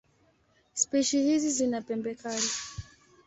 Spishi hizi zina pembe kali.